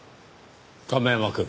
亀山くん。